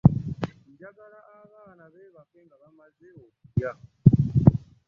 Njagala abaana beebake nga bamaze okulya.